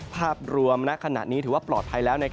ภาพรวมณขณะนี้ถือว่าปลอดภัยแล้ว